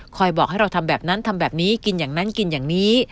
บอกให้เราทำแบบนั้นทำแบบนี้กินอย่างนั้นกินอย่างนี้